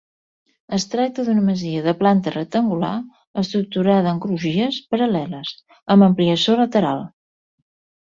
Es tracta d'una masia de planta rectangular estructurada en crugies paral·leles, amb ampliació lateral.